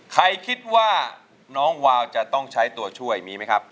คิดว่าน้องวาวจะต้องใช้ตัวช่วยมีไหมครับ